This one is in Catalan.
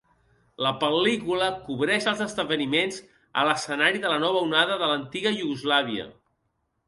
La pel·lícula cobreix els esdeveniments a l'escenari de la Nova Onada de l'antiga Iugoslàvia.